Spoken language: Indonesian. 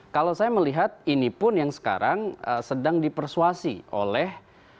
kalau saya melihat ini pun yang sekarang sedang dipersuasi oleh